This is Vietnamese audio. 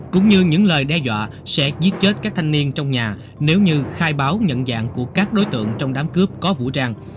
cũng như những lời đe dọa sẽ giết chết các thanh niên trong nhà nếu như khai báo nhận dạng của các đối tượng trong đám cướp có vũ trang